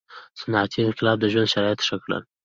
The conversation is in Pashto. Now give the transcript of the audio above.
• صنعتي انقلاب د ژوند شرایط ښه کړل.